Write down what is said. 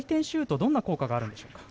どんな効果があるんでしょうか。